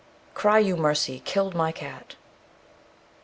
_Cry you mercy, killed my cat.